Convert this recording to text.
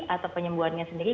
atau penyembuhannya sendiri